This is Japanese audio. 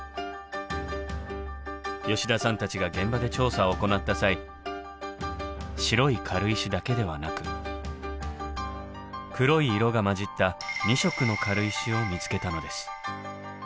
吉田さんたちが現場で調査を行った際白い軽石だけではなく黒い色が混じった２色の軽石を見つけたのです。